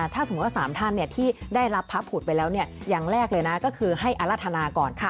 ถ้าสมมุติว่า๓ท่านที่ได้รับพระผุดไปแล้วอย่างแรกเลยนะก็คือให้อรรถนาก่อน